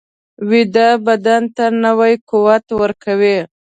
ویده بدن ته نوی قوت ورکوي